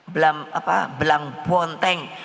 belam apa belang ponteng